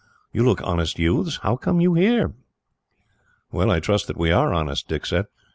You look honest youths. How come you here?" "I trust that we are honest," Dick said.